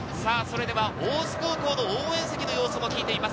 大津高校の応援席の様子も聞いています。